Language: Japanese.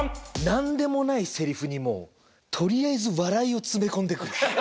何でもないせりふにもとりあえず笑いを詰め込んでくる。